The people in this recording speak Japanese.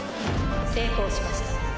成功しました。